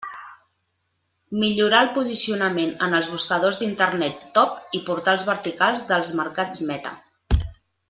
Millorar el posicionament en els buscadors d'internet TOP i portals verticals dels mercats meta.